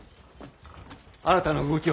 新たな動きは？